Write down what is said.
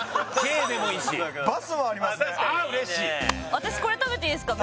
私これ食べていいですか？